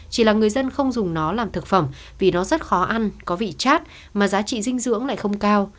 chỉ là người dân không dùng nó làm thực phẩm vì nó rất khó ăn có vị chát mà giá trị dinh dưỡng lại không cao